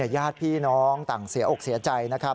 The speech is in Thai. ญาติพี่น้องต่างเสียอกเสียใจนะครับ